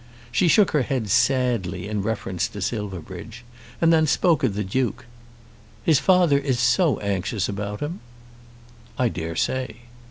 She shook her head sadly in reference to Silverbridge, and then spoke of the Duke. "His father is so anxious about him." "I dare say."